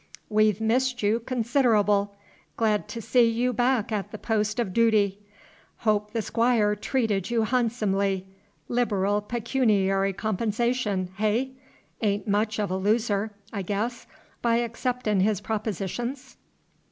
"We've missed you consid'able. Glad to see you back at the post of dooty. Hope the Squire treated you hahnsomely, liberal pecooniary compensation, hey? A'n't much of a loser, I guess, by acceptin' his propositions?"